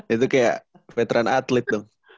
itu kayak veteran atlet dong